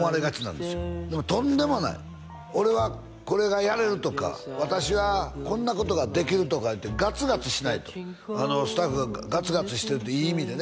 でもとんでもない俺はこれがやれるとか私はこんなことができるとかいうてガツガツしないとスタッフがガツガツしてるっていい意味でね